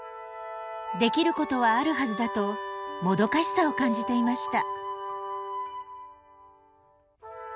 できることはあるはずだともどかしさを感じていました。